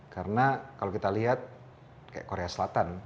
karena kalau kita lihat kaya korea selatan